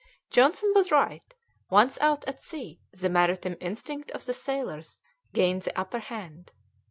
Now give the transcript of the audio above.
Johnson was right; once out at sea the maritime instinct of the sailors gained the upper hand.